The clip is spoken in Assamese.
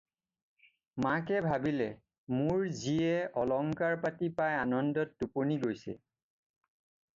"মাকে ভাবিলে- "মোৰ জীয়ে অলংকাৰ-পাতি পাই আনন্দত টোপনি গৈছে।"